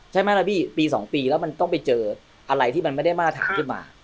ใช่ไหมล่ะพี่ปี๒ปีแล้วมันต้องไปเจออะไรที่มันไม่ได้มาตรฐานขึ้นมา